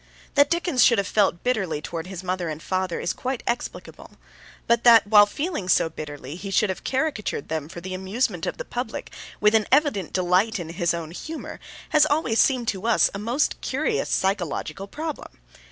That Dickens should have felt bitterly towards his father and mother is quite explicable, but that, while feeling so bitterly, he should have caricatured them for the amusement of the public, with an evident delight in his own humour, has always seemed to us a most curious psychological problem.